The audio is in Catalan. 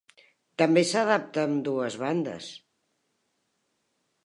També s'adapta a ambdues bandes.